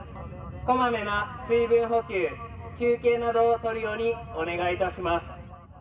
こまめな水分補給、休憩などをとるようにお願いいたします。